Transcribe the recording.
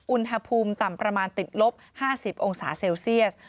อุณหภูมิต่ำประมาณติดลบ๕๐องศาเซลเซียส